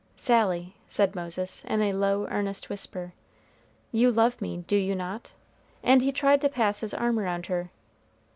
"Sally," said Moses, in a low, earnest whisper, "you love me, do you not?" and he tried to pass his arm around her.